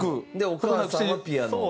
お母さんはピアノ。